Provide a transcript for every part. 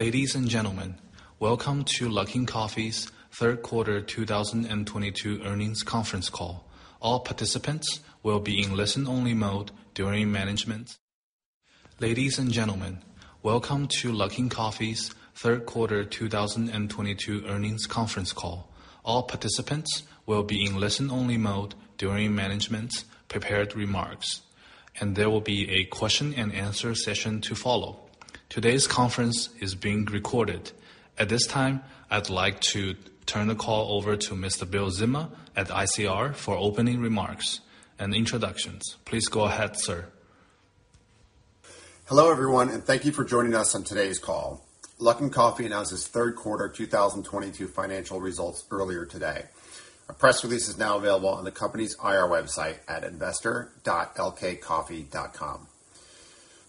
Ladies and gentlemen, welcome to Luckin Coffee's Third Quarter 2022 Earnings Conference Call. All participants will be in listen only mode during management's prepared remarks, and there will be a question and answer session to follow. Today's conference is being recorded. At this time, I'd like to turn the call over to Mr. Bill Zima at ICR for opening remarks and introductions. Please go ahead, sir. Hello, everyone. Thank you for joining us on today's call. Luckin Coffee announced its Third Quarter 2022 Financial Results earlier today. A press release is now available on the company's IR website at investor.lkcoffee.com.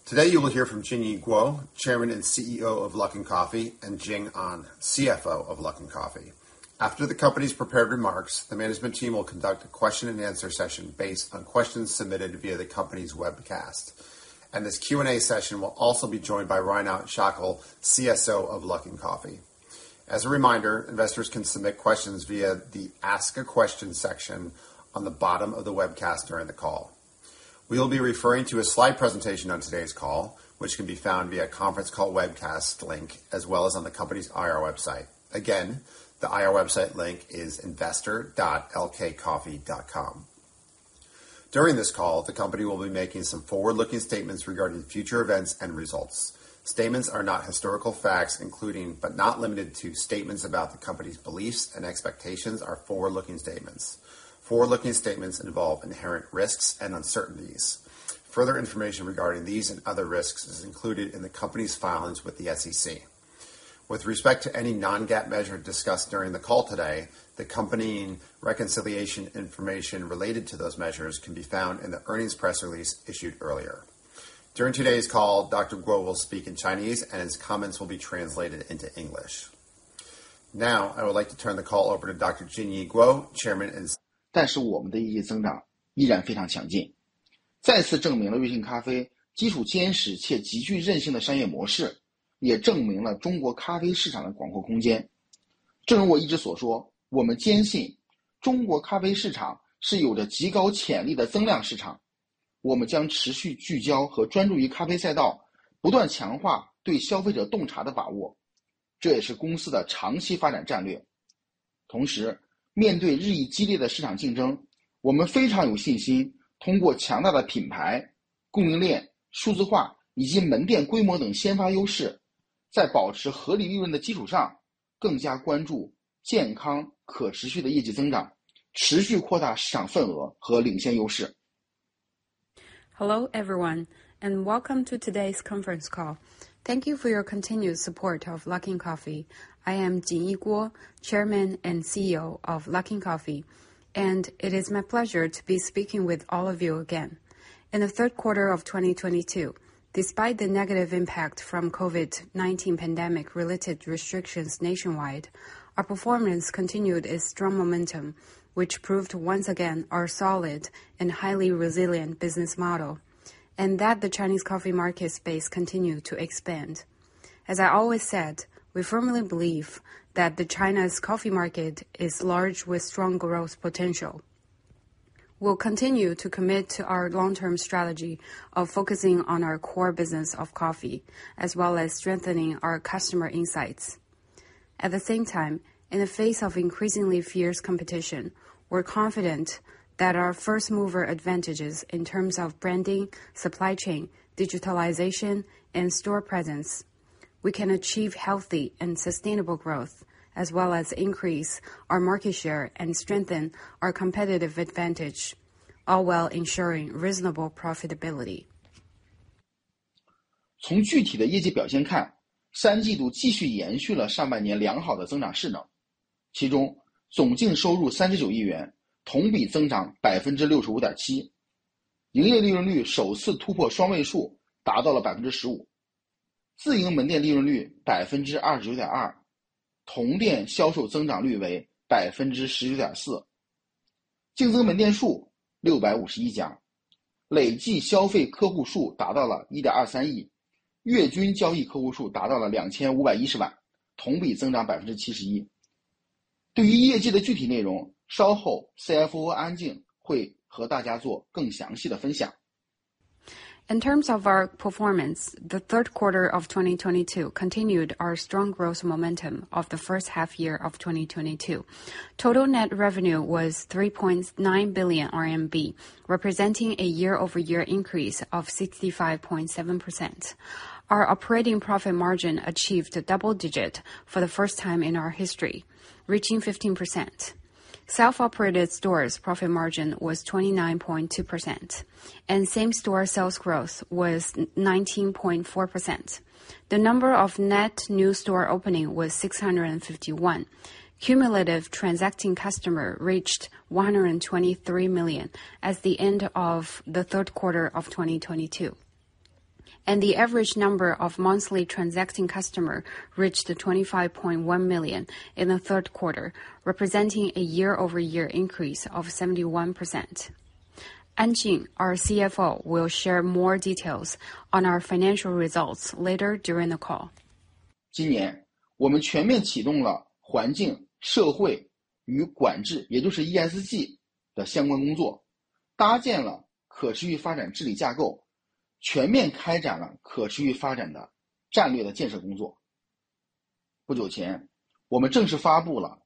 Today, you will hear from Jinyi Guo, Chairman and CEO of Luckin Coffee, and Jing An, CFO of Luckin Coffee. After the company's prepared remarks, the management team will conduct a question and answer session based on questions submitted via the company's webcast. This Q&A session will also be joined by Reinout Schakel, CSO of Luckin Coffee. As a reminder, investors can submit questions via the Ask a Question section on the bottom of the webcast during the call. We will be referring to a slide presentation on today's call, which can be found via conference call webcast link as well as on the company's IR website. Again, the IR website link is investor.lkcoffee.com. During this call, the company will be making some forward-looking statements regarding future events and results. Statements are not historical facts including, but not limited to, statements about the company's beliefs and expectations are forward-looking statements. Forward-looking statements involve inherent risks and uncertainties. Further information regarding these and other risks is included in the company's filings with the SEC. With respect to any non-GAAP measure discussed during the call today, the company reconciliation information related to those measures can be found in the earnings press release issued earlier. During today's call, Dr. Guo will speak in Chinese, and his comments will be translated into English. Now, I would like to turn the call over to Dr. Jinyi Guo, Chairman and CEO. 我们的业绩增长依然非常强劲。再次证明了瑞幸咖啡基础坚实且极具韧性的商业模 式， 也证明了中国咖啡市场的广阔空间。正如我一直所 说， 我们坚信中国咖啡市场是有着极高潜力的增量市 场， 我们将持续聚焦和专注于咖啡赛 道， 不断强化对消费者洞察的把 握， 这也是公司的长期发展战略。同时，面对日益激烈的市场竞 争， 我们非常有信 心， 通过强大的品牌、供应链、数字化以及门店规模等先发优 势， 在保持合理利润的基础 上， 更加关注健康可持续的业绩增 长， 持续扩大市场份额和领先优势。Hello, everyone, welcome to today's conference call. Thank you for your continued support of Luckin Coffee. I am Jinyi Guo, Chairman and CEO of Luckin Coffee, it is my pleasure to be speaking with all of you again. In the 3rd quarter of 2022, despite the negative impact from COVID-19 pandemic related restrictions nationwide, our performance continued its strong momentum, which proved once again our solid and highly resilient business model, and that the Chinese coffee market space continued to expand. As I always said, we firmly believe that the China's coffee market is large with strong growth potential. We'll continue to commit to our long-term strategy of focusing on our core business of coffee, as well as strengthening our customer insights. At the same time, in the face of increasingly fierce competition, we're confident that our first-mover advantages in terms of branding, supply chain, digitalization, and store presence, we can achieve healthy and sustainable growth as well as increase our market share and strengthen our competitive advantage, all while ensuring reasonable profitability. 从具体的业绩表现 看， 三季度继续延续了上半年良好的增长势头。其中总净收入三十九亿 元， 同比增长百分之六十五点七。营业利润率首次突破双位 数， 达到了百分之十五。自营门店利润率百分之二十九点 二， 同店销售增长率为百分之十九点四。净增门店数六百五十一 家， 累计消费客户数达到了一点二三 亿， 月均交易客户数达到了两千五百一十 万， 同比增长百分之七十一。对于业绩的具体内 容， 稍后 CFO 安静会和大家做更详细的分享。In terms of our performance, the third quarter of 2022 continued our strong growth momentum of the first half year of 2022. Total net revenue was 3.9 billion RMB, representing a year-over-year increase of 65.7%. Our operating profit margin achieved a double digit for the first time in our history, reaching 15%. Self-operated stores profit margin was 29.2%, and same-store sales growth was 19.4%. The number of net new store opening was 651. Cumulative transacting customer reached 123 million as the end of the third quarter of 2022. The average number of monthly transacting customer reached 25.1 million in the third quarter, representing a year-over-year increase of 71%. An Jing, our CFO will share more details on our financial results later during the call. 今年我们全面启动了环境、社会与管 治， 也就是 ESG 的相关工 作， 搭建了可持续发展治理架构，全面开展了可持续发展的战略的建设工作。不久 前， 我们正式发布了《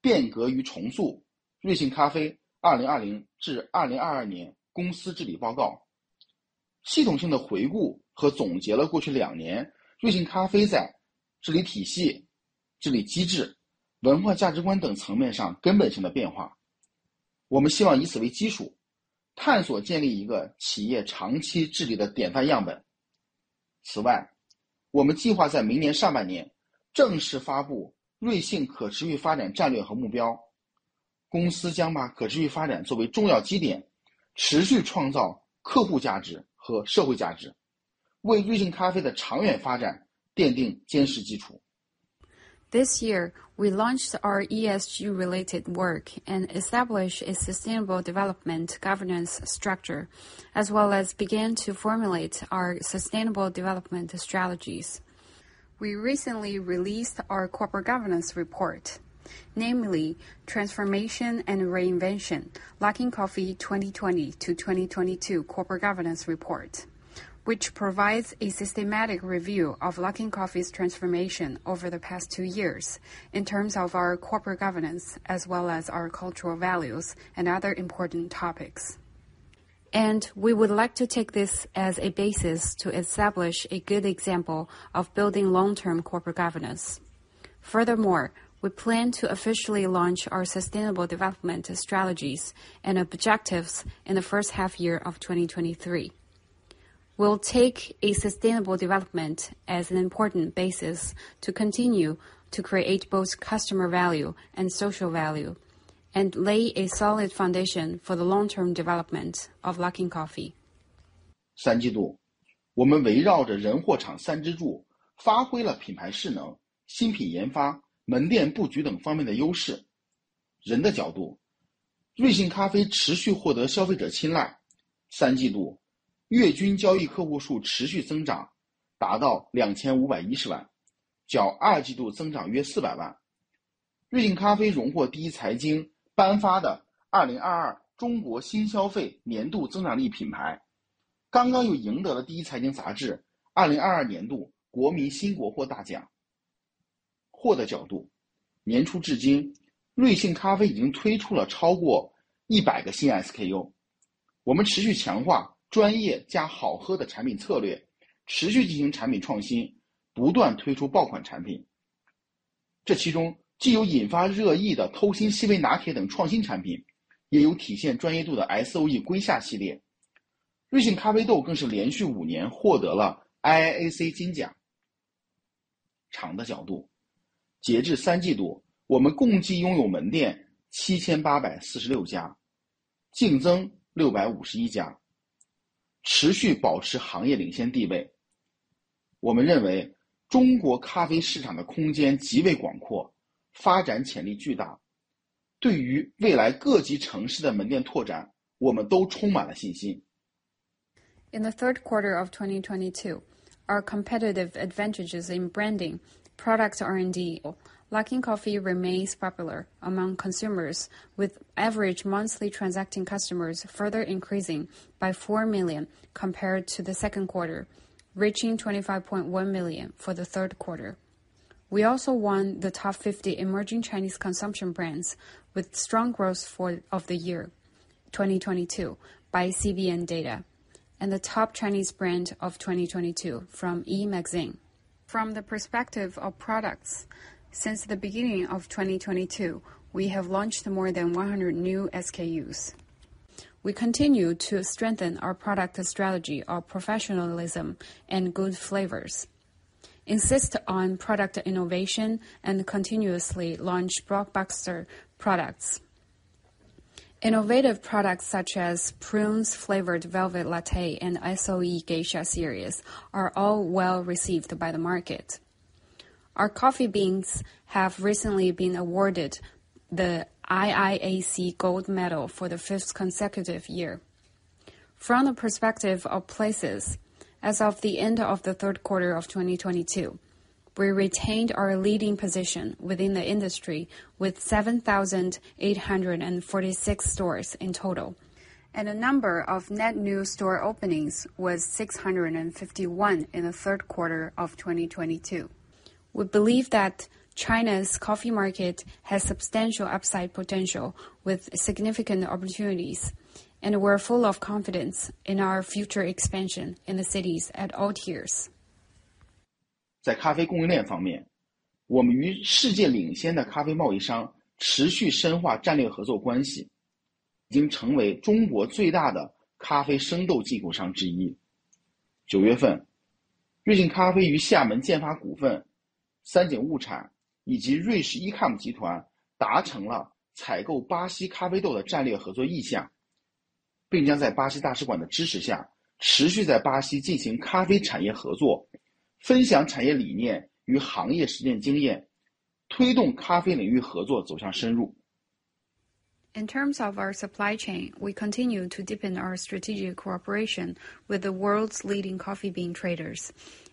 变革与重塑——瑞幸咖啡2020至2022年公司治理报告》。系统性的回顾和总结了过去2年瑞幸咖啡在治理体系、治理机制、文化价值观等层面上根本性的变化。我们希望以此为基础，探索建立一个企业长期治理的典范样本。此 外， 我们计划在明年上半年正式发布瑞幸可持续发展战略和目标。公司将把可持续发展作为重要基 点， 持续创造客户价值和社会价 值， 为瑞幸咖啡的长远发展奠定坚实基础。This year, we launched our ESG-related work and established a sustainable development governance structure as well as began to formulate our sustainable development strategies. We recently released our corporate governance report, namely Transformation and Reinvention: Luckin Coffee 2020 to 2022 Corporate Governance Report, which provides a systematic review of Luckin Coffee's transformation over the past two years in terms of our corporate governance, as well as our cultural values and other important topics. We would like to take this as a basis to establish a good example of building long-term corporate governance. Furthermore, we plan to officially launch our sustainable development strategies and objectives in the first half year of 2023. We'll take a sustainable development as an important basis to continue to create both customer value and social value and lay a solid foundation for the long-term development of Luckin Coffee. 三季 度， 我们围绕着人、货、场三支 柱， 发挥了品牌势能、新品研发、门店布局等方面的优势。人的角 度， 瑞幸咖啡持续获得消费者青睐。三季度月均交易客户数持续增 长， 达到 25.1 million， 较二季度增长约4 million。瑞幸咖啡荣获第一财经颁发的「2022 中国新消费年度增长力品牌」。刚刚又赢得了第一财经杂志 2022年度国民新国货大奖。货的角度。年初至 今， 瑞幸咖啡已经推出了超过100个新 SKU。我们持续强化专业加好喝的产品策 略， 持续进行产品创 新， 不断推出爆款产品。这其中既有引发热议的偷心西梅拿铁等创新产 品， 也有体现专业度的 SOE Geisha series。瑞幸咖啡豆更是连续五年获得了 IIAC 金奖。场的角度。截至三季 度， 我们共计拥有门店 7,846 家， 净增651家，持续保持行业领先地位。我们认为中国咖啡市场的空间极为广 阔， 发展潜力巨大。对于未来各级城市的门店拓 展， 我们都充满了信心。In the third quarter of 2022, our competitive advantages in branding, products R&D. Luckin Coffee remains popular among consumers, with average monthly transacting customers further increasing by 4 million compared to the second quarter, reaching 25.1 million for the third quarter. We also won the top 50 emerging Chinese consumption brands with strong growth for of the year 2022 by CBNData and the top Chinese brand of 2022 from YiMagazine. From the perspective of products, since the beginning of 2022, we have launched more than 100 new SKUs. We continue to strengthen our product strategy of professionalism and good flavors, insist on product innovation, and continuously launch blockbuster products. Innovative products such as Prunes Flavored Velvet Latte and SOE Geisha series are all well received by the market. Our coffee beans have recently been awarded the IIAC Gold Medal for the 5th consecutive year. From the perspective of places, as of the end of the third quarter of 2022, we retained our leading position within the industry with 7,846 stores in total, and the number of net new store openings was 651 in the third quarter of 2022. We believe that China's coffee market has substantial upside potential with significant opportunities, and we are full of confidence in our future expansion in the cities at all tiers. 在咖啡供应链方 面， 我们与世界领先的咖啡贸易商持续深化战略合作关 系， 已经成为中国最大的咖啡生豆进口商之一。九月 份， 瑞幸咖啡与厦门建发股份、三井物产以及瑞士 ECOM 集团达成了采购巴西咖啡豆的战略合作意 向， 并将在巴西大使馆的支持下持续在巴西进行咖啡产业合 作， 分享产业理念与行业实践经验推动咖啡领域合作走向深入。In terms of our supply chain, we continue to deepen our strategic cooperation with the world's leading coffee bean traders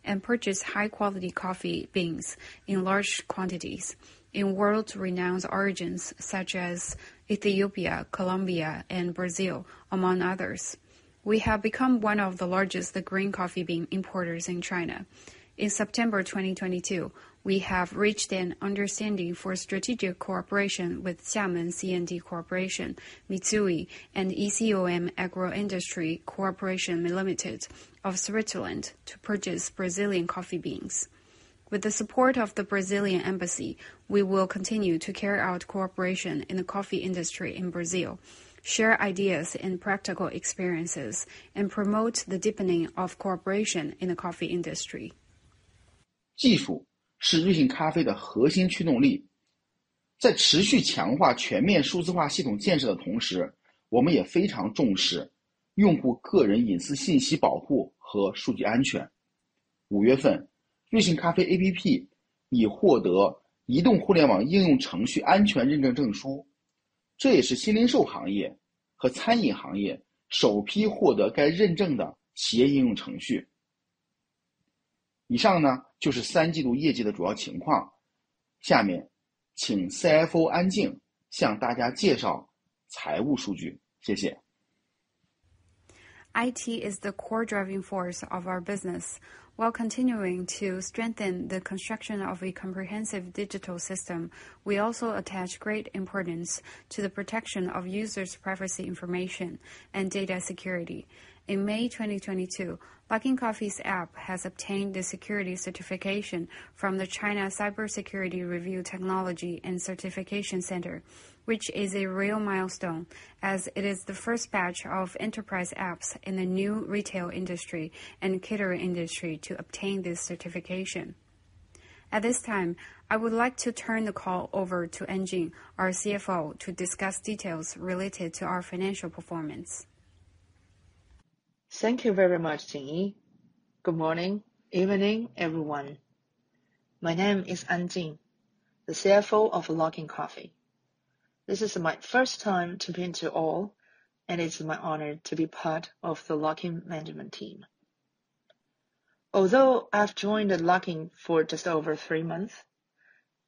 and purchase high quality coffee beans in large quantities. In world-renowned origins such as Ethiopia, Colombia and Brazil, among others. We have become one of the largest green coffee bean importers in China. In September 2022, we have reached an understanding for strategic cooperation with Xiamen C&D Corporation, Mitsui, and ECOM Agroindustrial Cooperation Limited of Switzerland to purchase Brazilian coffee beans. With the support of the Brazilian Embassy, we will continue to carry out cooperation in the coffee industry in Brazil, share ideas and practical experiences, and promote the deepening of cooperation in the coffee industry. 技术是瑞幸咖啡的核心驱动力。在持续强化全面数字化系统建设的同 时， 我们也非常重视用户个人隐私信息保护和数据安全。五月 份， 瑞幸咖啡 APP 已获得移动互联网应用程序安全认证证 书， 这也是新零售行业和餐饮行业首批获得该认证的企业应用程序。以上 呢， 就是三季度业绩的主要情况。下面请 CFO 安静向大家介绍财务数据。谢谢。IT is the core driving force of our business. While continuing to strengthen the construction of a comprehensive digital system, we also attach great importance to the protection of users' privacy information and data security. In May 2022, Luckin Coffee's app has obtained the security certification from the China Cybersecurity Review Technology and Certification Center, which is a real milestone as it is the first batch of enterprise apps in the new retail industry and catering industry to obtain this certification. At this time, I would like to turn the call over to An Jing, our CFO, to discuss details related to our financial performance. Thank you very much, Jinyi. Good morning, evening, everyone. My name is Jing An, the CFO of Luckin Coffee. This is my first time to pin to all, and it's my honor to be part of the Luckin management team. Although I've joined Luckin for just over three months,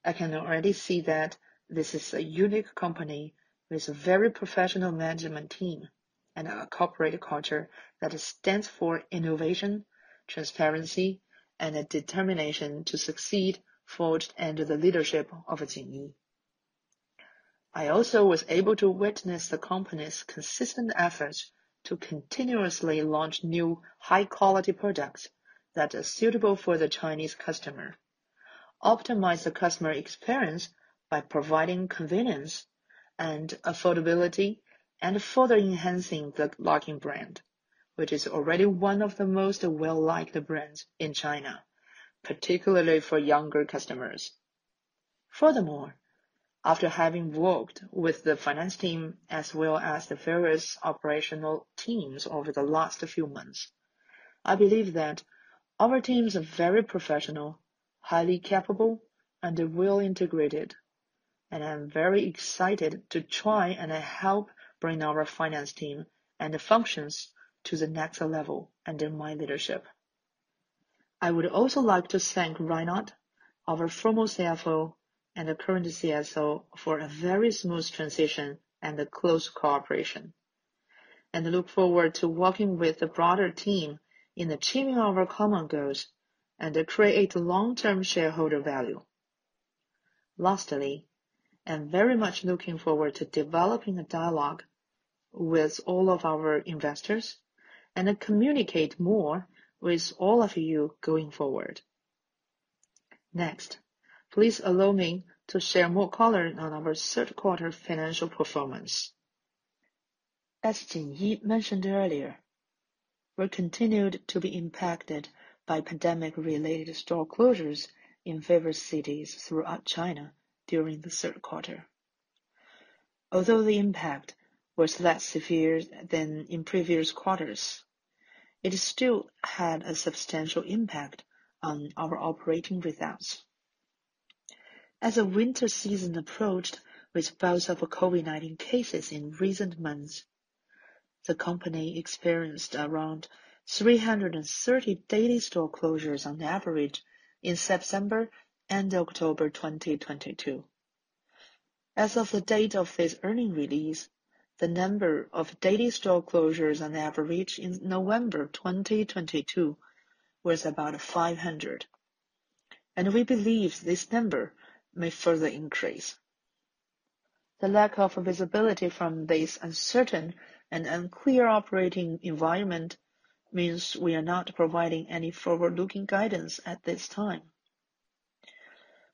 I can already see that this is a unique company with a very professional management team and a corporate culture that stands for innovation, transparency, and a determination to succeed forged under the leadership of Jinyi. I also was able to witness the company's consistent efforts to continuously launch new high-quality products that are suitable for the Chinese customer, optimize the customer experience by providing convenience and affordability, and further enhancing the Luckin brand, which is already one of the most well-liked brands in China, particularly for younger customers. Furthermore, after having worked with the finance team as well as the various operational teams over the last few months, I believe that our teams are very professional, highly capable, and they're well integrated, and I'm very excited to try and help bring our finance team and the functions to the next level under my leadership. I would also like to thank Reinout, our former CFO and the current CSO, for a very smooth transition and a close cooperation, and look forward to working with the broader team in achieving our common goals and to create long-term shareholder value. Lastly, I'm very much looking forward to developing a dialogue with all of our investors and communicate more with all of you going forward. Next, please allow me to share more color on our third quarter financial performance. As Jinyi mentioned earlier, we continued to be impacted by pandemic-related store closures in various cities throughout China during the third quarter. Although the impact was less severe than in previous quarters, it still had a substantial impact on our operating results. As the winter season approached with bouts of COVID-19 cases in recent months, the company experienced around 330 daily store closures on average in September and October 2022. As of the date of this earnings release, the number of daily store closures on average in November 2022 was about 500, and we believe this number may further increase. The lack of visibility from this uncertain and unclear operating environment means we are not providing any forward-looking guidance at this time.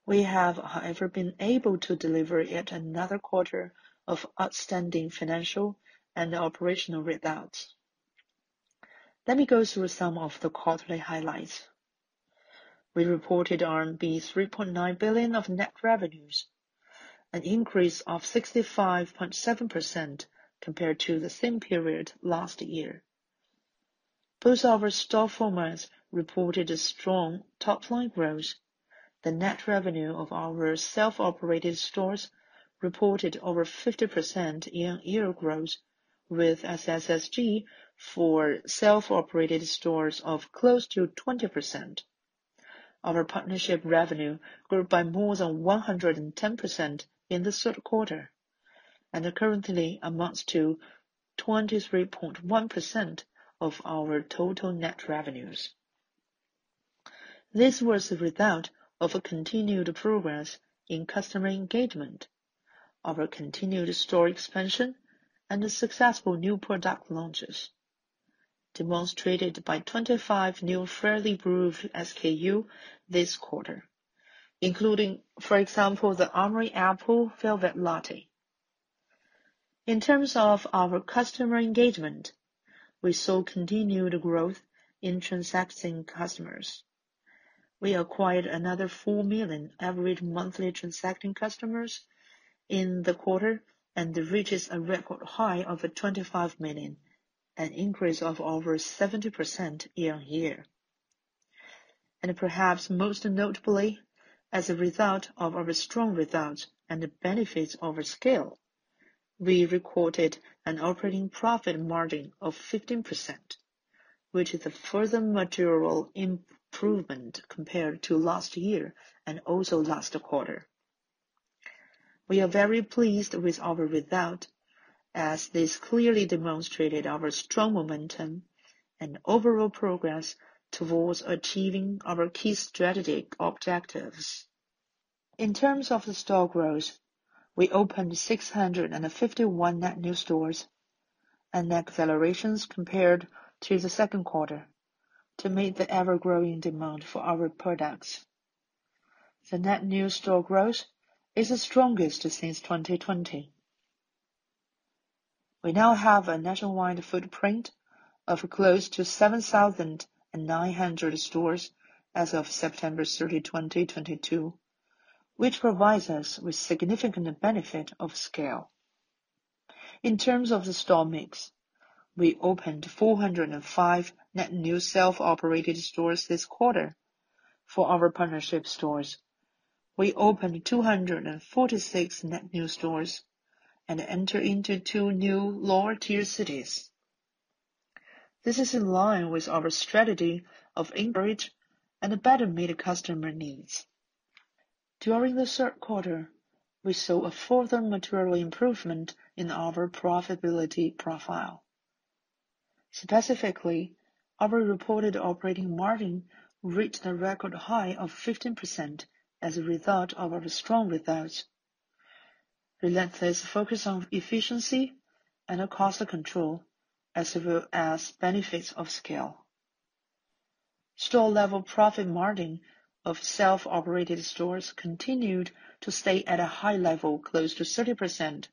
We have, however, been able to deliver yet another quarter of outstanding financial and operational results. Let me go through some of the quarterly highlights. We reported RMB 3.9 billion of net revenues, an increase of 65.7% compared to the same period last year. Both our store formats reported a strong top-line growth. The net revenue of our self-operated stores reported over 50% year-on-year growth, with SSSG for self-operated stores of close to 20%. Our partnership revenue grew by more than 110% in the third quarter, and currently amounts to 23.1% of our total net revenues. This was a result of a continued progress in customer engagement, our continued store expansion, and the successful new product launches, demonstrated by 25 new freshly brewed SKU this quarter, including, for example, the Amori Apple Velvet Latte. In terms of our customer engagement, we saw continued growth in transacting customers. We acquired another 4 million average monthly transacting customers in the quarter, that reaches a record high of 25 million, an increase of over 70% year-on-year. Perhaps most notably, as a result of our strong results and the benefits of scale, we recorded an operating profit margin of 15%, which is a further material improvement compared to last year, and also last quarter. We are very pleased with our result, as this clearly demonstrated our strong momentum and overall progress towards achieving our key strategic objectives. In terms of the store growth, we opened 651 net new stores and accelerations compared to the second quarter to meet the ever-growing demand for our products. The net new store growth is the strongest since 2020. We now have a nationwide footprint of close to 7,900 stores as of September 30, 2022, which provides us with significant benefit of scale. In terms of the store mix, we opened 405 net new self-operated stores this quarter. For our partnership stores, we opened 246 net new stores and entered into two new lower-tier cities. This is in line with our strategy of inbridge and better meet customer needs. During the third quarter, we saw a further material improvement in our profitability profile. Specifically, our reported operating margin reached a record high of 15% as a result of our strong results, relentless focus on efficiency and cost control, as well as benefits of scale. Store level profit margin of self-operated stores continued to stay at a high level, close to 30%,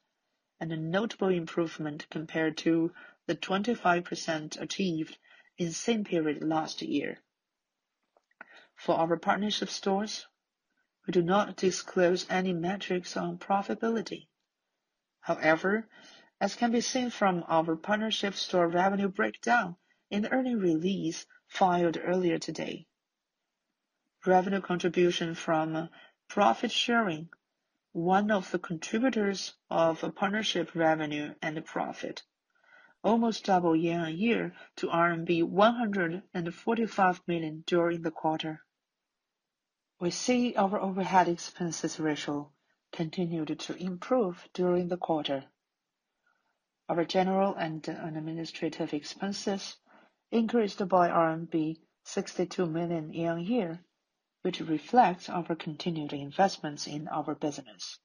A notable improvement compared to the 25% achieved in the same period last year. For our partnership stores, we do not disclose any metrics on profitability. However, as can be seen from our partnership store revenue breakdown in the earnings release filed earlier today, revenue contribution from profit sharing, one of the contributors of a partnership revenue and profit, almost doubled year-on-year to RMB 145 million during the quarter. We see our overhead expenses ratio continued to improve during the quarter. Our General and administrative expenses increased by RMB 62 million year-on-year, which reflects our continued investments in our business.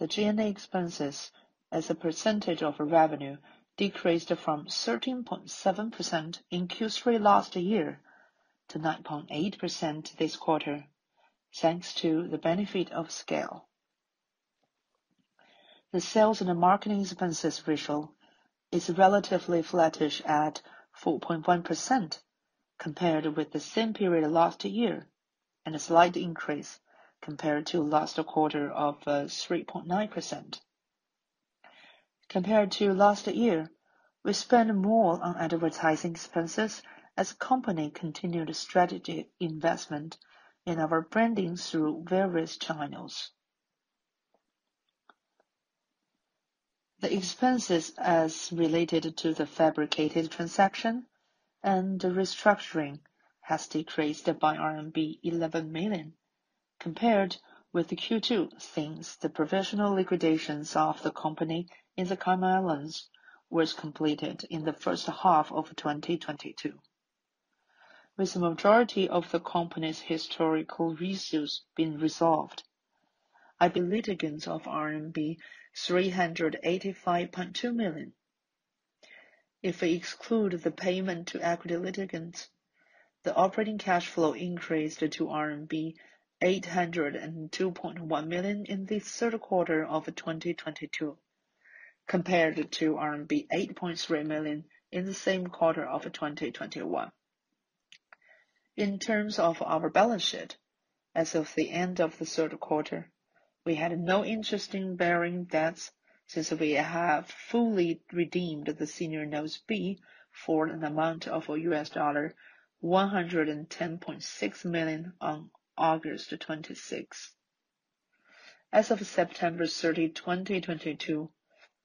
The G&A expenses as a percentage of revenue decreased from 13.7% in Q3 last year to 9.8% this quarter, thanks to the benefit of scale. The sales and the marketing expenses ratio is relatively flattish at 4.1% compared with the same period last year, and a slight increase compared to last quarter of 3.9%. Compared to last year, we spent more on advertising expenses as company continued strategic investment in our branding through various channels. The expenses as related to the fabricated transaction and the restructuring has decreased by RMB 11 million compared with the Q2, since the professional liquidations of the company in the Cayman Islands was completed in the first half of 2022. With the majority of the company's historical issues being resolved, equity litigants of RMB 385.2 million. If we exclude the payment to equity litigants, the operating cash flow increased to RMB 802.1 million in the third quarter of 2022, compared to RMB 8.3 million in the same quarter of 2021. In terms of our balance sheet, as of the end of the third quarter, we had no interest in bearing debts since we have fully redeemed the senior Notes B for an amount of $110.6 million on August 26th. As of September 30th, 2022,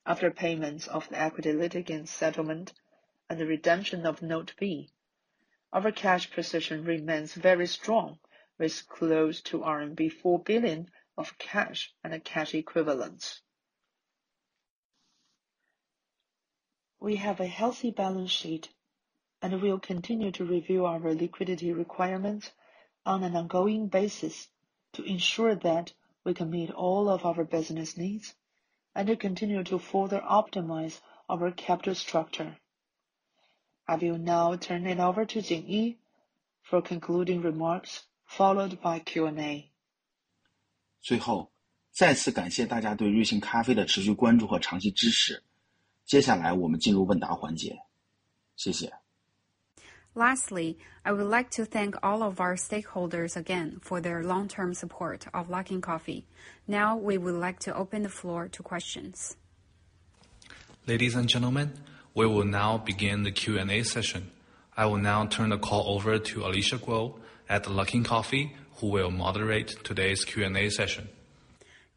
after payments of the equity litigant settlement and the redemption of Note B, our cash position remains very strong, with close to RMB 4 billion of cash and cash equivalents. We have a healthy balance sheet, and we will continue to review our liquidity requirements on an ongoing basis to ensure that we can meet all of our business needs and to continue to further optimize our capital structure. I will now turn it over to Jinyi for concluding remarks, followed by Q&A. Lastly, I would like to thank all of our stakeholders again for their long-term support of Luckin Coffee. Now, we would like to open the floor to questions. Ladies and gentlemen, we will now begin the Q&A session. I will now turn the call over to Alicia Guo at Luckin Coffee, who will moderate today's Q&A session.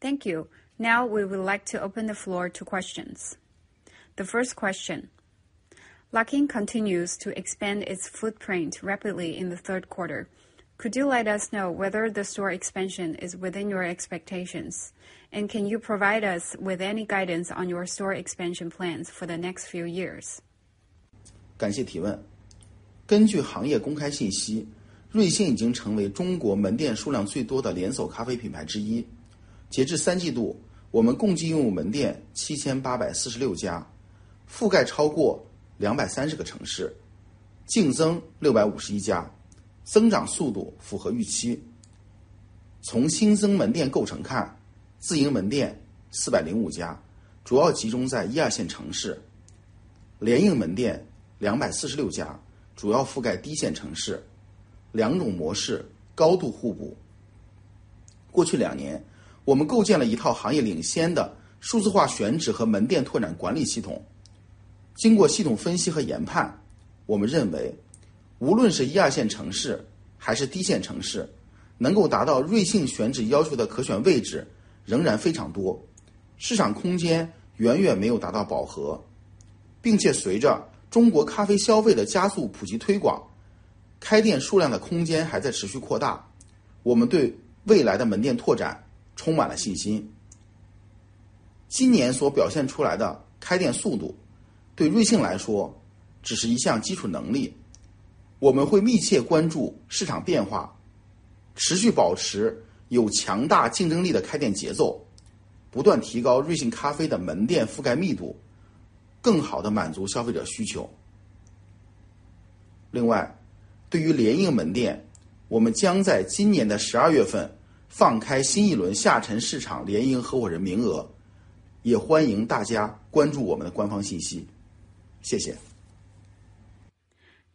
Thank you. Now, we would like to open the floor to questions. The first question: Luckin continues to expand its footprint rapidly in the third quarter. Could you let us know whether the store expansion is within your expectations? Can you provide us with any guidance on your store expansion plans for the next few years?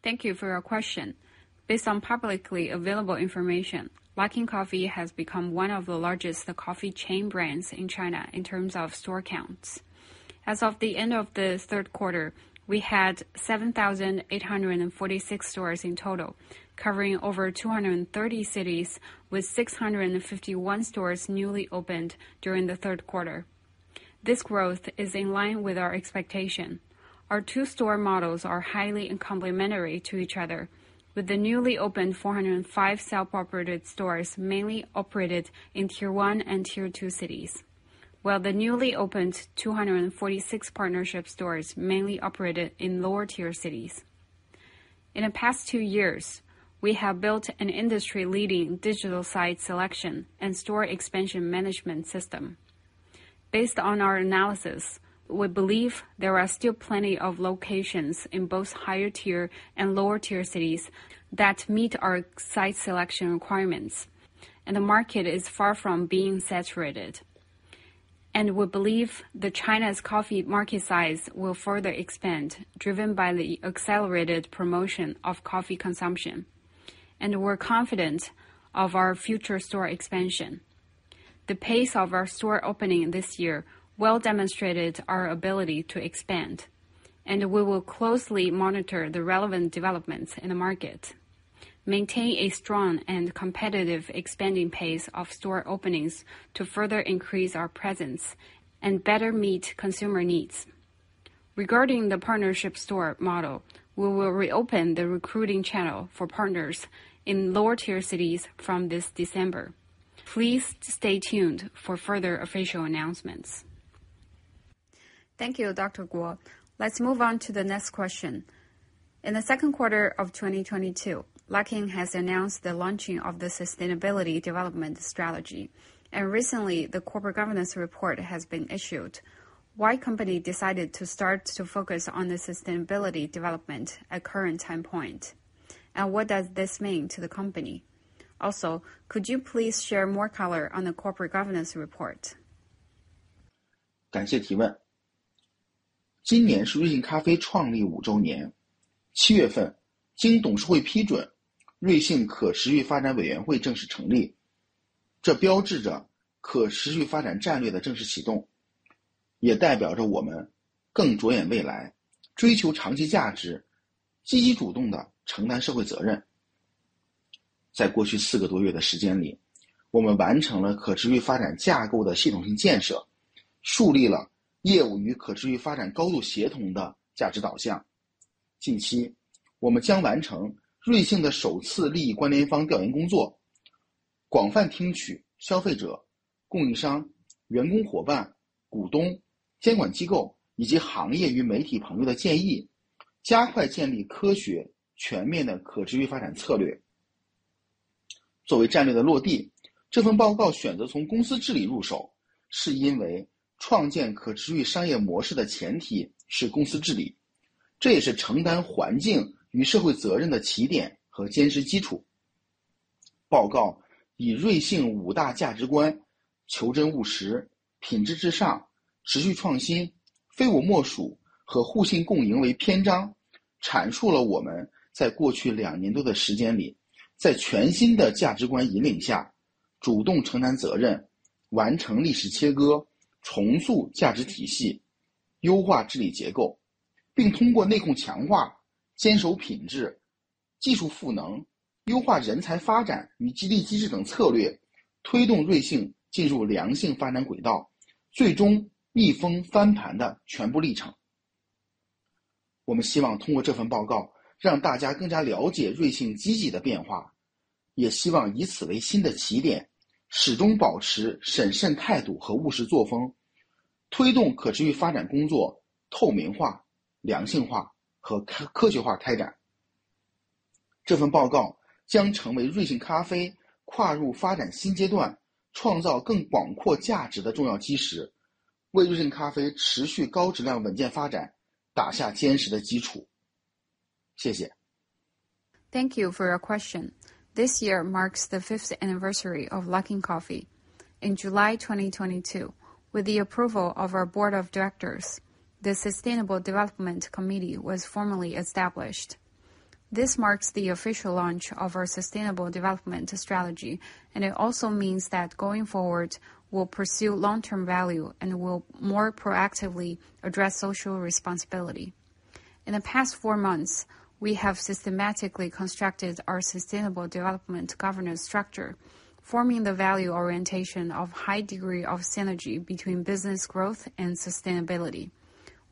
Thank you for your question. Based on publicly available information, Luckin Coffee has become one of the largest coffee chain brands in China in terms of store counts. As of the end of the third quarter, we had 7,846 stores in total, covering over 230 cities with 651 stores newly opened during the third quarter. This growth is in line with our expectation. Our two store models are highly complementary to each other, with the newly opened 405 self-operated stores mainly operated in tier 1 and tier 2 cities, while the newly opened 246 partnership stores mainly operated in lower tier cities. In the past 2 years, we have built an industry-leading digital site selection and store expansion management system. Based on our analysis, we believe there are still plenty of locations in both higher tier and lower tier cities that meet our site selection requirements. The market is far from being saturated. We believe the China's coffee market size will further expand, driven by the accelerated promotion of coffee consumption. We're confident of our future store expansion. The pace of our store opening this year well demonstrated our ability to expand. We will closely monitor the relevant developments in the market, maintain a strong and competitive expanding pace of store openings to further increase our presence and better meet consumer needs. Regarding the partnership store model, we will reopen the recruiting channel for partners in lower tier cities from this December. Please stay tuned for further official announcements. Thank you, Dr. Guo. Let's move on to the next question. In the second quarter of 2022, Luckin has announced the launching of the sustainability development strategy. Recently, the corporate governance report has been issued. Why company decided to start to focus on the sustainability development at current time point? What does this mean to the company? Could you please share more color on the corporate governance report? 感谢提问。今年是瑞幸咖啡创立五周 年， 七月份经董事会批 准， 瑞幸可持续发展委员会正式成立。这标志着可持续发展战略的正式启 动， 也代表着我们更着眼未 来， 追求长期价 值， 积极主动地承担社会责任。在过去四个多月的时间 里， 我们完成了可持续发展架构的系统性建 设， 树立了业务与可持续发展高度协同的价值导向。近 期， 我们将完成瑞幸的首次利益关系方调研工 作， 广泛听取消费者、供应商、员工伙伴、股东、监管机构以及行业与媒体朋友的建 议， 加快建立科学全面的可持续发展策略。作为战略的落 地， 这份报告选择从公司治理入 手， 是因为创建可持续商业模式的前提是公司治 理， 这也是承担环境与社会责任的起点和坚实基础。报告以瑞幸五大价值 观： 求真务实、品质至上、持续创新、非我莫属和互信共赢为篇 章， 阐述了我们在过去两年多的时间 里， 在全新的价值观引领 下， 主动承担责 任， 完成历史切割，重塑价值体 系， 优化治理结 构， 并通过内控强化、坚守品质、技术赋能、优化人才发展与激励机制等策 略， 推动瑞幸进入良性发展轨 道， 最终逆风翻盘的全部历程。我们希望通过这份报 告， 让大家更加了解瑞幸积极的变 化， 也希望以此为新的起点，始终保持审慎态度和务实作 风， 推动可持续发展工作透明化、良性化和 科， 科学化开展。这份报告将成为瑞幸咖啡跨入发展新阶 段， 创造更广阔价值的重要基 石， 为瑞幸咖啡持续高质量稳健发展打下坚实的基础。谢谢。Thank you for your question. This year marks the fifth anniversary of Luckin Coffee. In July 2022, with the approval of our board of directors, the Sustainable Development Committee was formally established. This marks the official launch of our sustainable development strategy, and it also means that going forward, we'll pursue long term value and will more proactively address social responsibility. In the past four months, we have systematically constructed our sustainable development governance structure, forming the value orientation of high degree of synergy between business growth and sustainability.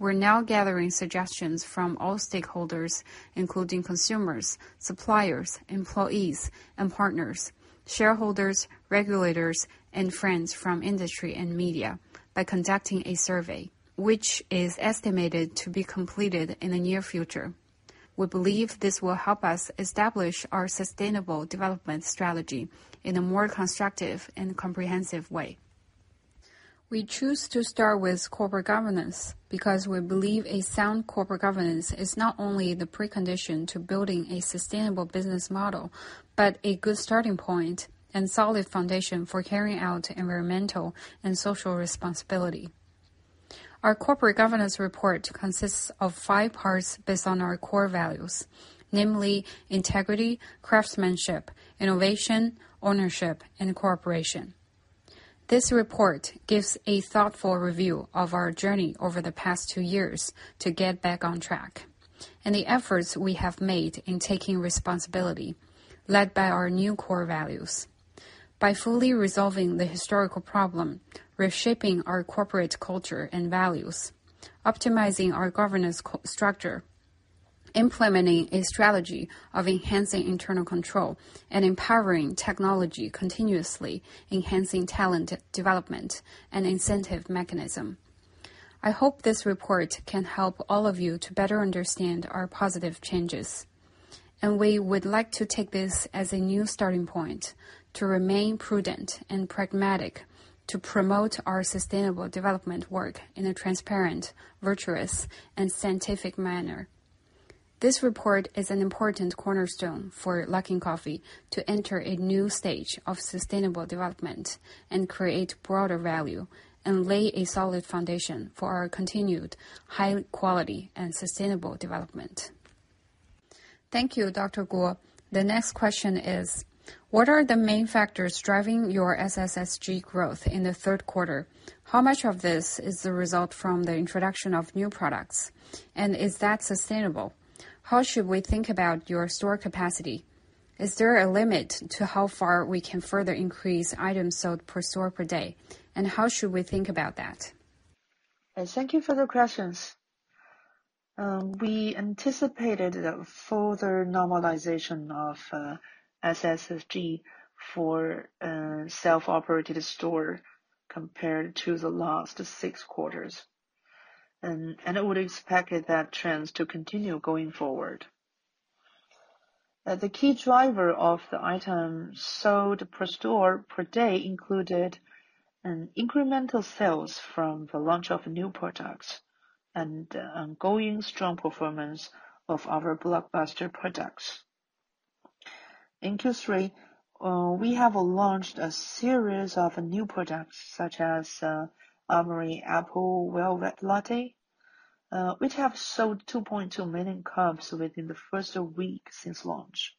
We're now gathering suggestions from all stakeholders, including consumers, suppliers, employees and partners, shareholders, regulators and friends from industry and media by conducting a survey which is estimated to be completed in the near future. We believe this will help us establish our sustainable development strategy in a more constructive and comprehensive way. We choose to start with corporate governance because we believe a sound corporate governance is not only the precondition to building a sustainable business model, but a good starting point and solid foundation for carrying out environmental and social responsibility. Our Corporate Governance Report consists of five parts based on our core values, namely integrity, craftsmanship, innovation, ownership, and cooperation. This report gives a thoughtful review of our journey over the past two years to get back on track and the efforts we have made in taking responsibility led by our new core values, by fully resolving the historical problem, reshaping our corporate culture and values, optimizing our governance structure, implementing a strategy of enhancing internal control and empowering technology, continuously enhancing talent development and incentive mechanism. I hope this report can help all of you to better understand our positive changes. We would like to take this as a new starting point to remain prudent and pragmatic, to promote our sustainable development work in a transparent, virtuous, and scientific manner. This report is an important cornerstone for Luckin Coffee to enter a new stage of sustainable development and create broader value and lay a solid foundation for our continued high quality and sustainable development. Thank you, Dr. Guo. The next question is, what are the main factors driving your SSSG growth in the third quarter? How much of this is the result from the introduction of new products? Is that sustainable? How should we think about your store capacity? Is there a limit to how far we can further increase items sold per store per day? How should we think about that? Thank you for the questions. We anticipated a further normalization of SSSG for self-operated store compared to the last six quarters. I would expect that trend to continue going forward. The key driver of the items sold per store per day included an incremental sales from the launch of new products and the ongoing strong performance of our blockbuster products. In Q3, we have launched a series of new products such as Amori Apple Velvet Latte, which have sold 2.2 million cups within the first week since launch.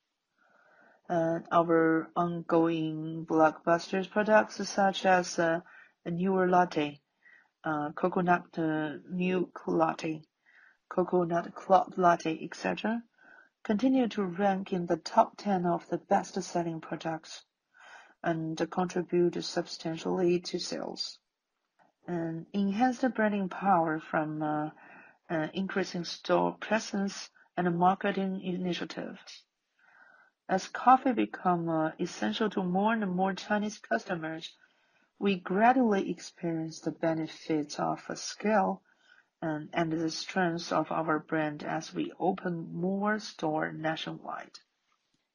Our ongoing blockbusters products such as the Velvet Latte, Coconut Milk Latte, Coconut Cloud Latte, et cetera, continue to rank in the top 10 of the best-selling products and contribute substantially to sales and enhance the branding power from increasing store presence and marketing initiatives. As coffee become essential to more and more Chinese customers, we gradually experience the benefits of scale and the strength of our brand as we open more store nationwide.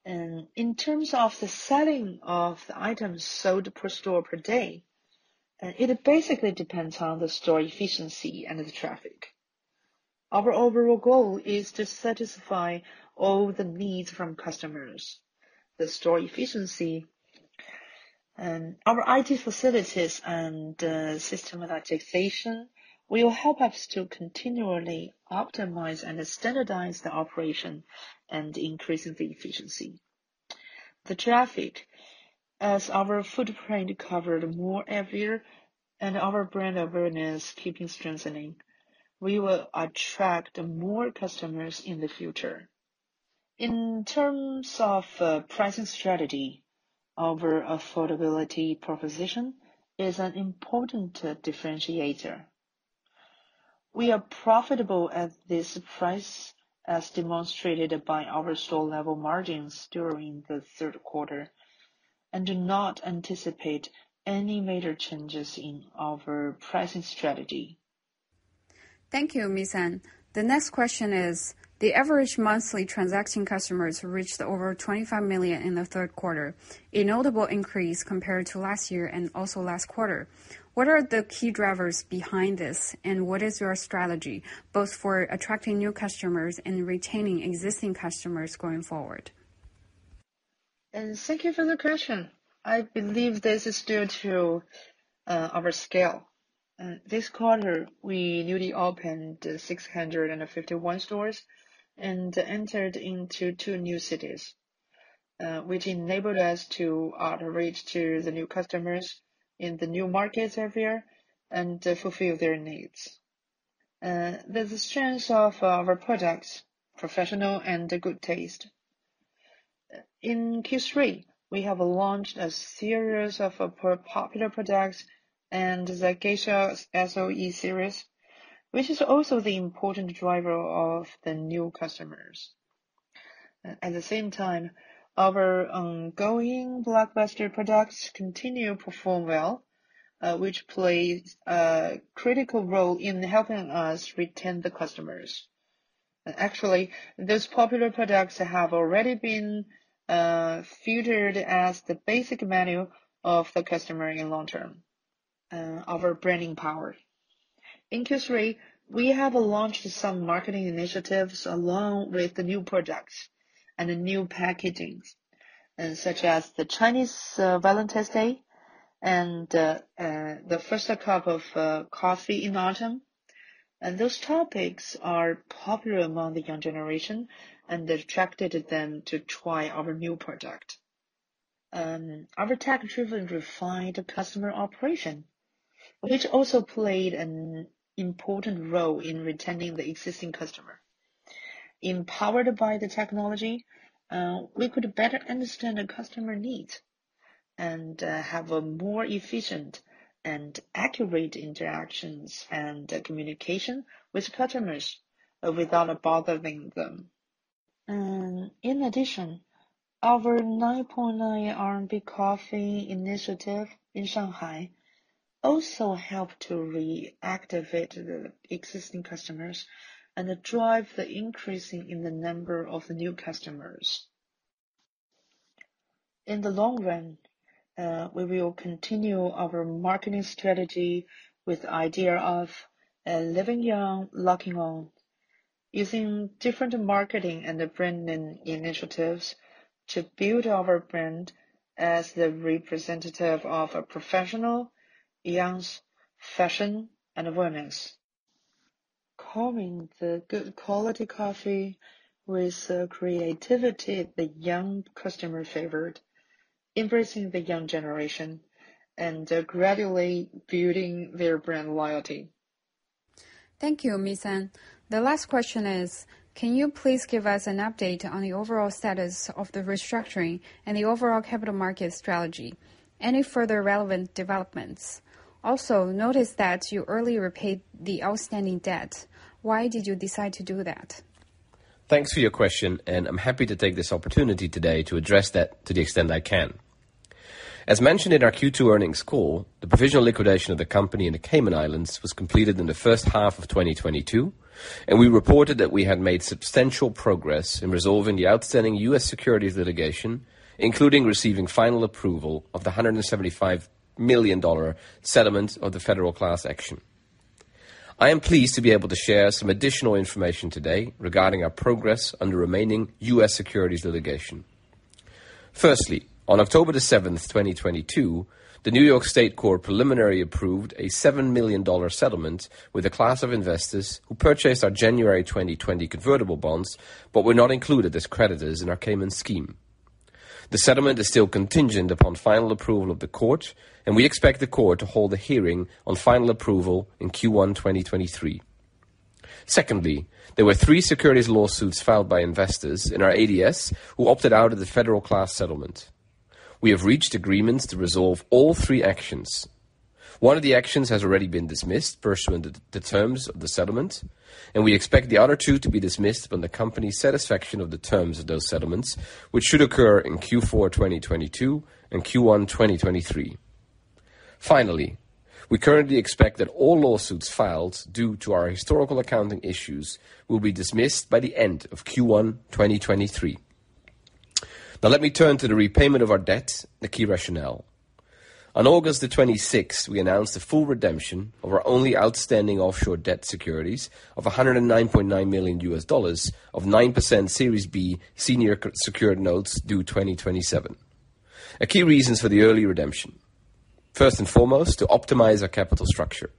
In terms of the selling of the items sold per store per day, it basically depends on the store efficiency and the traffic. Our overall goal is to satisfy all the needs from customers. The store efficiency and our IT facilities and system identification will help us to continually optimize and standardize the operation and increase the efficiency. Traffic, as our footprint covered more area and our brand awareness keeping strengthening, we will attract more customers in the future. In terms of pricing strategy, our affordability proposition is an important differentiator. We are profitable at this price, as demonstrated by our store-level margins during the third quarter, and do not anticipate any major changes in our pricing strategy. Thank you, Ms An. The next question is: the average monthly transacting customers reached over 25 million in the third quarter, a notable increase compared to last year and also last quarter. What are the key drivers behind this, and what is your strategy both for attracting new customers and retaining existing customers going forward? Thank you for the question. I believe this is due to our scale. This quarter, we newly opened 651 stores and entered into two new cities, which enabled us to outreach to the new customers in the new market area and fulfill their needs. There's a strength of our products, professional and good taste. In Q3, we have launched a series of popular products and the SOE Geisha series, which is also the important driver of the new customers. At the same time, our ongoing blockbuster products continue to perform well, which plays a critical role in helping us retain the customers. Actually, those popular products have already been featured as the basic menu of the customer in long term. Our branding power. In Q3, we have launched some marketing initiatives along with the new products and the new packagings, such as the Chinese Valentine's Day and the first cup of coffee in autumn. Those topics are popular among the young generation and attracted them to try our new product. Our tech-driven refined customer operation, which also played an important role in retaining the existing customer. Empowered by the technology, we could better understand the customer needs and have a more efficient and accurate interactions and communication with customers without bothering them. In addition, our 9.9 RMB coffee initiative in Shanghai also helped to reactivate the existing customers and drive the increasing in the number of new customers. In the long run, we will continue our marketing strategy with idea of, living young, locking on, using different marketing and branding initiatives to build our brand as the representative of a professional, young, fashion, and wellness. Combining the good quality coffee with the creativity the young customer favored, embracing the young generation, and, gradually building their brand loyalty. Thank you, Ms An. The last question is: can you please give us an update on the overall status of the restructuring and the overall capital market strategy? Any further relevant developments? Notice that you early repaid the outstanding debt. Why did you decide to do that? Thanks for your question. I'm happy to take this opportunity today to address that to the extent I can. As mentioned in our Q2 Earnings Call, the provisional liquidation of the company in the Cayman Islands was completed in the first half of 2022. We reported that we had made substantial progress in resolving the outstanding U.S. securities litigation, including receiving final approval of the $175 million settlement of the federal class action. I am pleased to be able to share some additional information today regarding our progress on the remaining U.S. securities litigation. Firstly, on October the seventh, 2022, the New York State Court preliminary approved a $7 million settlement with a class of investors who purchased our January 2020 convertible bonds but were not included as creditors in our Cayman scheme. The settlement is still contingent upon final approval of the court. We expect the court to hold a hearing on final approval in Q1 2023. Secondly, there were three securities lawsuits filed by investors in our ADS who opted out of the federal class settlement. We have reached agreements to resolve all three actions. One of the actions has already been dismissed pursuant to the terms of the settlement. We expect the other two to be dismissed upon the company's satisfaction of the terms of those settlements, which should occur in Q4 2022 and Q1 2023. We currently expect that all lawsuits filed due to our historical accounting issues will be dismissed by the end of Q1 2023. Now let me turn to the repayment of our debt, the key rationale. On August 26th, we announced the full redemption of our only outstanding offshore debt securities of $109.9 million of 9% Series B Senior Secured Notes due 2027. A key reasons for the early redemption. First and foremost, to optimize our capital structure.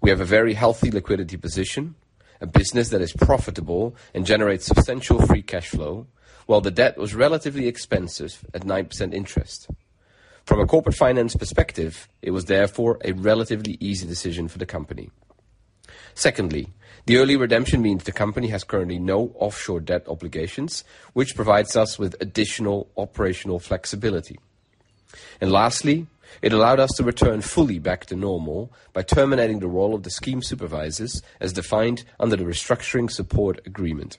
We have a very healthy liquidity position, a business that is profitable and generates substantial free cash flow, while the debt was relatively expensive at 9% interest. From a corporate finance perspective, it was therefore a relatively easy decision for the company. Secondly, the early redemption means the company has currently no offshore debt obligations, which provides us with additional operational flexibility. Lastly, it allowed us to return fully back to normal by terminating the role of the scheme supervisors as defined under the Restructuring Support Agreement.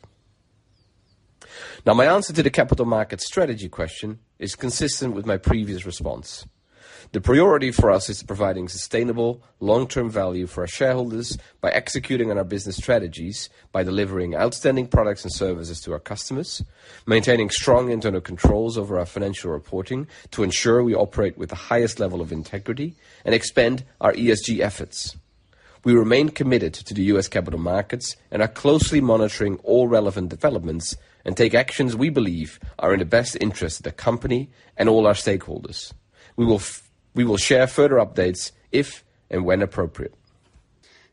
My answer to the capital market strategy question is consistent with my previous response. The priority for us is providing sustainable long-term value for our shareholders by executing on our business strategies, by delivering outstanding products and services to our customers, maintaining strong internal controls over our financial reporting to ensure we operate with the highest level of integrity and expand our ESG efforts. We remain committed to the U.S. capital markets and are closely monitoring all relevant developments and take actions we believe are in the best interest of the company and all our stakeholders. We will share further updates if and when appropriate.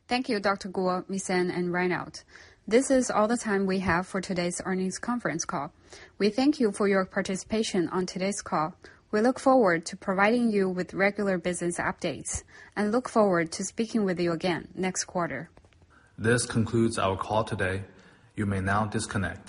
Thank you, Dr. Guo, Ms An, and Reinout. This is all the time we have for today's earnings conference call. We thank you for your participation on today's call. We look forward to providing you with regular business updates and look forward to speaking with you again next quarter. This concludes our call today. You may now disconnect.